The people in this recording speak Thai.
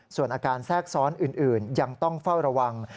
ส่วนอาการแทรกซ้อนอื่นยังต้องเฝ้าระวัง